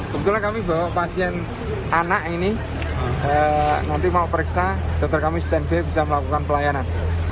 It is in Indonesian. sebetulnya kami bawa pasien anak ini nanti mau periksa nanti kami standby bisa melakukan pelayanan